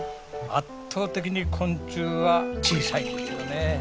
圧倒的に昆虫は小さいんですよね。